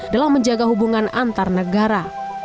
dalam menjaga hubungan antar negara